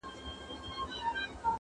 • او ښکنځل نه اورېدلي او نه مي -